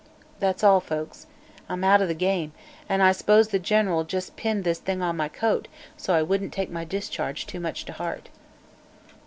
That's all, folks. I'm out o' the game, an' I s'pose the Gen'ral jus' pinned this thing on my coat so I wouldn't take my discharge too much to heart."